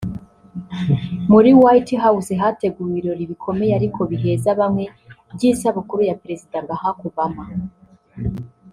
muri White House hateguwe ibirori bikomeye [ariko biheza bamwe] by’isabukuru ya Perezida Barack Obama